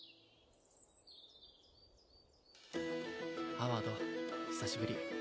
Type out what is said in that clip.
ハワード久しぶり